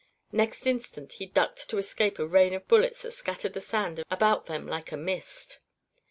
Next instant he ducked to escape a rain of bullets that scattered the sand about them like a mist.